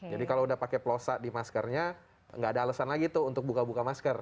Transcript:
jadi kalau sudah pakai plosa di maskernya tidak ada alasan lagi untuk buka buka masker